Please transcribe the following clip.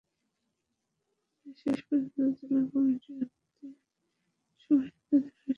তাই শেষ পর্যন্ত জেলা কমিটির বর্ধিত সভায় তাঁদের বহিষ্কারের সিদ্ধান্ত নেওয়া হয়েছে।